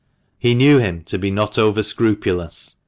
He knew him to be not over scrupulous.